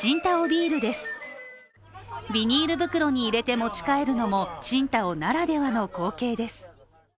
ビニール袋に入れて持ち帰るのも青島ならではの光景です。